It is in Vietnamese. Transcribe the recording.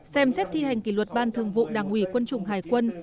xem xét thi hành kỳ luật ban thường vụ đảng ủy quân chủng hải quân